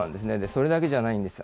それだけじゃないんです。